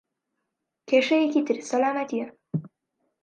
کێشەیەکی تر سەلامەتییە.